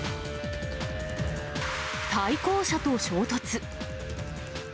対向車と衝突。